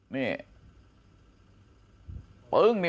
นี่